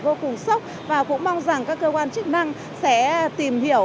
vô cùng sốc và cũng mong rằng các cơ quan chức năng sẽ tìm hiểu